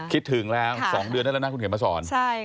คิดถึงแล้ว๒เดือนต่างอยู่ด้านนั้นคุณเห็นพระสร